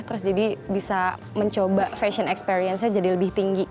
terus jadi bisa mencoba fashion experience nya jadi lebih tinggi